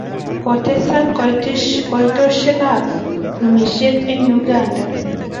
kotesak kaitoshek ab rumishet en Uganda